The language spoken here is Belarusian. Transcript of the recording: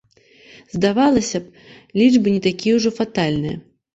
Здавалася б, лічбы не такія ўжо фатальныя.